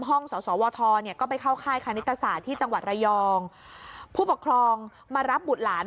สสวทเนี่ยก็ไปเข้าค่ายคณิตศาสตร์ที่จังหวัดระยองผู้ปกครองมารับบุตรหลาน